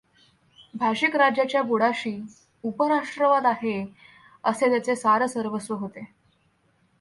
भाषिक राज्याच्या बुडाशी उपराष्ट्रवाद आहे असे त्याचे सारसर्वस्व होते.